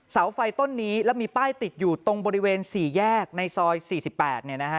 เสาไฟต้นนี้แล้วมีป้ายติดอยู่ตรงบริเวณ๔แยกในซอย๔๘เนี่ยนะฮะ